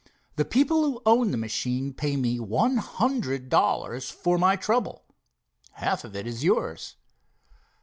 The people who own the machine pay me one hundred dollars for my trouble. Half of it is yours."